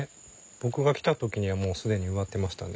僕が来た時にはもう既に植わってましたね。